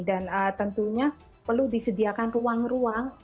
dan tentunya perlu disediakan ruang ruang